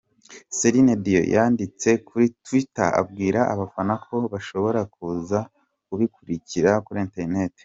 Celine Dion yanditse kuri Twitter abwira abafana ko bashobora kuza kubikuriirana kuri Internet.